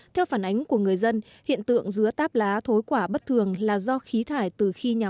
theo phản ánh của người dân hiện tượng dứa táp lá thối quả bất thường là do khí thải từ khi nhà